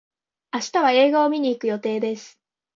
明日は映画を見に行く予定です。